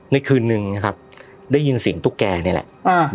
ในคืนนึงนะครับได้ยินเสียงตุ๊กแกนี่แหละ